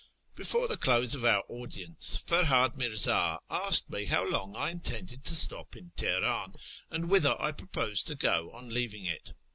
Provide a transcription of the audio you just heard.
Before the close of our audience, Ferhiid Mirzd asked me how long I intended to stop in Teheran, and whither I proposed to go on leaving it.